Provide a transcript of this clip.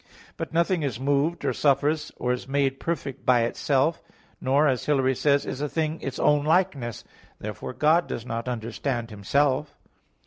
But nothing is moved, or suffers, or is made perfect by itself, "nor," as Hilary says (De Trin. iii), "is a thing its own likeness." Therefore God does not understand Himself.